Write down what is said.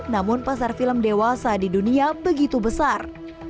namun pasar film dewasa di dunia begitu besar